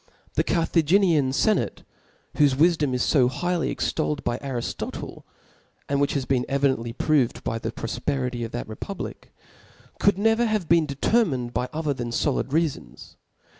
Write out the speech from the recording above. The Car* thaginian lenate, Wbofe wifijom is fo highly extol led by Ariftotle (and which has been evidently, proved by the profperity of that republic) could never have been determined by other than foljd reafons.